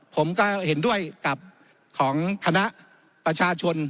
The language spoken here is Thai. ผมก็เห็นด้วยกับของคณะประชาชน